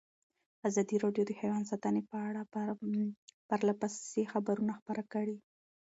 ازادي راډیو د حیوان ساتنه په اړه پرله پسې خبرونه خپاره کړي.